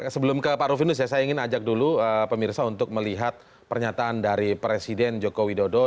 sebelum ke pak rufinus ya saya ingin ajak dulu pemirsa untuk melihat pernyataan dari presiden joko widodo